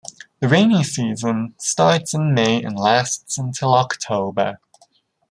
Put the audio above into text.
The rainy season starts in May and lasts until October.